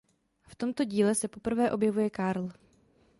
V tomto díle se poprvé objevuje Carl.